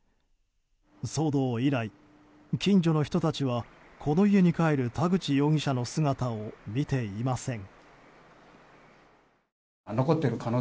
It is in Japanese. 騒動以来、近所の人たちはこの家に帰る田口容疑者の姿を見ていません。